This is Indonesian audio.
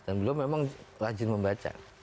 dan beliau memang rajin membaca